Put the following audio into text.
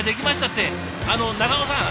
ってあの長尾さん